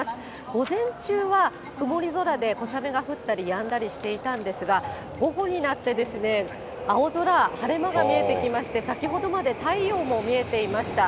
午前中は曇り空で小雨が降ったりやんだりしていたんですが、午後になって、青空、晴れ間が見えてきまして、先ほどまで太陽も見えていました。